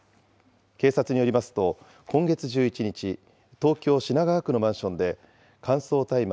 警察によりますと、今月１１日、東京・品川区のマンションで、乾燥大麻